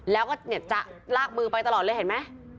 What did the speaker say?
แล้วก็จะลากมือไปตลอดเลยเห็นไหม